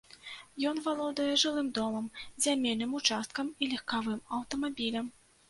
Ён валодае жылым домам, зямельным участкам і легкавым аўтамабілем.